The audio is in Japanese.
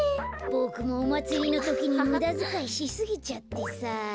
ボクもおまつりのときにむだづかいしすぎちゃってさあ。